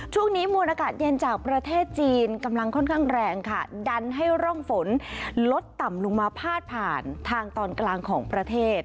ช่วงนี้มวลอากาศเย็นจากประเทศจีนกำลังค่อนข้างแรงค่ะดันให้ร่องฝนลดต่ำลงมาพาดผ่านทางตอนกลางของประเทศ